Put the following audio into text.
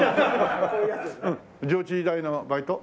上智大のバイト？